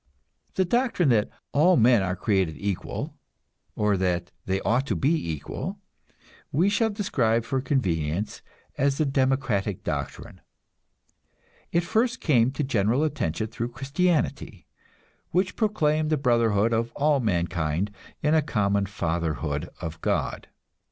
The doctrine that "all men are created equal," or that they ought to be equal, we shall describe for convenience as the democratic doctrine. It first came to general attention through Christianity, which proclaimed the brotherhood of all mankind in a common fatherhood of God.